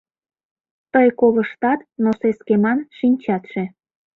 Тый колыштат, но сескеман шинчатше